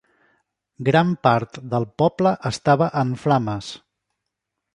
Gran part del poble estava en flames.